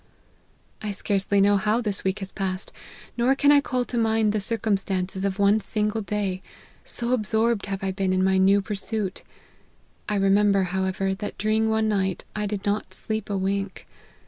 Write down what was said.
" I scarcely know how this week has passed, nor can I call to mind the circumstances of one single day ; so absorbed have I been in my new pursuit. I remember, however, that during one night I did not sleep a wink.